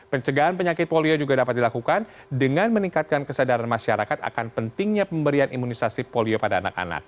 pencegahan penyakit polio juga dapat dilakukan dengan meningkatkan kesadaran masyarakat akan pentingnya pemberian imunisasi polio pada anak anak